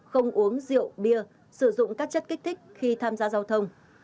không uống rượu bia sử dụng các chất kích thích khi tham gia giao thông